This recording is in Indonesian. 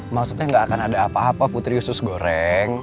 maksudnya gak akan ada apa apa putri usus goreng